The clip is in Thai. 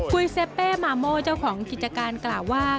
ุยเซเป้มาโม่เจ้าของกิจการกล่าวว่า